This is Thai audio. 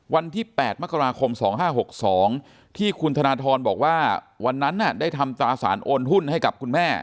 วันที่๘มกราคม๒๕๖๒ที่คุณธนทรบอกว่าวันนั้นได้ทำตราสารโอนหุ้นให้กับคุณแม่